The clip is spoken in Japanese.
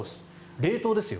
冷凍ですよ